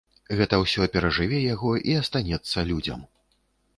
Гэта ўсё перажыве яго і астанецца людзям.